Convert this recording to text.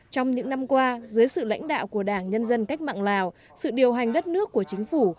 trong những năm qua dưới sự lãnh đạo của đảng nhân dân cách mạng lào sự điều hành đất nước của chính phủ